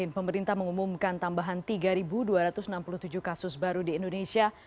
pemerintah mengumumkan tambahan tiga dua ratus enam puluh tujuh kasus baru di indonesia